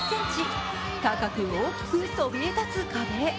高く大きくそびえ立つ壁。